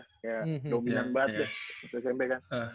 kayak dominan banget deh smp kan